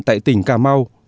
tại tỉnh cà mau